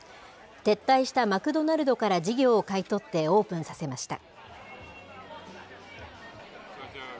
撤退したマクドナルドから事業を買い取ってオープンさせました。